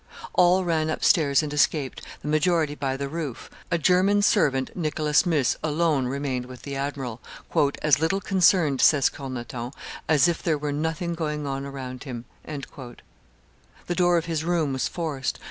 All ran up stairs and escaped, the majority by the roof; a German servant, Nicholas Muss, alone remained with the admiral, "as little concerned," says Cornaton, "as if there were nothing going on around him." The door of his room was forced.